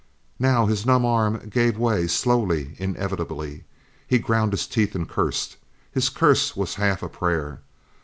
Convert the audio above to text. Now his numb arm gave way, slowly, inevitably. He ground his teeth and cursed. His curse was half a prayer.